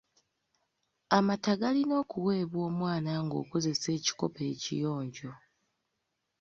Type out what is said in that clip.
Amata galina okuweebwa omwana ng'okozesa ekikopo ekiyonjo.